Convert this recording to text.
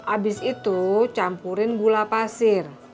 abis itu campurin gula pasir